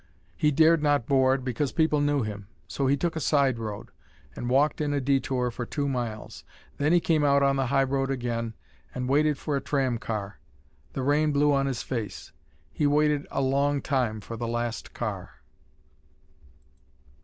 He dared not board, because people knew him. So he took a side road, and walked in a detour for two miles. Then he came out on the high road again and waited for a tram car. The rain blew on his face. He waited a long time for the last car.